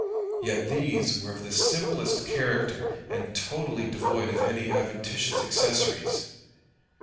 Yet these were of the simplest character and totally devoid of any adventitious accessories.